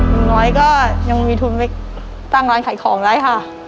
อย่างน้อยก็ยังไม่มีทุนไปตั้งร้านขายของเลยค่ะ